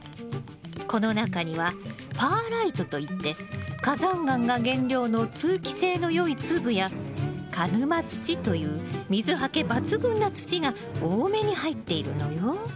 この中にはパーライトといって火山岩が原料の通気性のよい粒や鹿沼土という水はけ抜群な土が多めに入っているのよ。